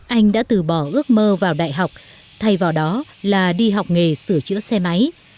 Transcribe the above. anh đã từ bỏ ước mơ vào đại học thay vào đó là đi học nghề sửa chữa xe máy